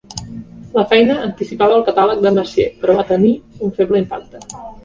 La feina anticipava el catàleg de Messier, però va tenir un feble impacte.